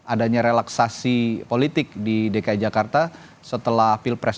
adanya relaksasi politik di dki jakarta setelah pilpres